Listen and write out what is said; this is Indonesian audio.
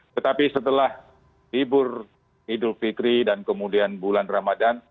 tetapi setelah libur idul fitri dan kemudian bulan ramadan